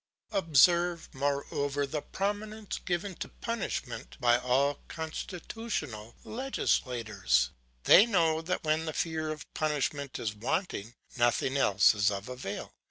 'Observe, moreover, the prominence given to punishment by all constitutional legislators; they know that when the fear of punishment is wanting, nothing else is of avail.